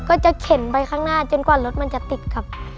ก็จะเข็นไปข้างหน้าจนกว่ารถมันจะติดครับ